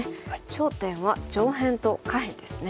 焦点は上辺と下辺ですね。